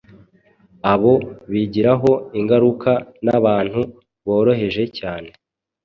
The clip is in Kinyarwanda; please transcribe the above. abo bigiraho ingaruka n’abantu boroheje cyane